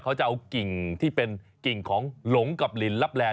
เขาจะเอากิ่งที่เป็นกิ่งของหลงกับลินลับแลน